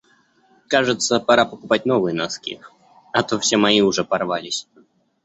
Кажется, пора покупать новые носки, а то все мои уже порвались.